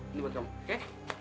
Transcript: ini buat kamu oke